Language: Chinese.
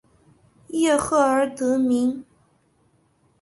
叶赫而得名。